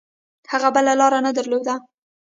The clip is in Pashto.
هغه بله لاره نه درلوده.